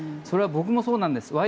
それは僕もそうなんです。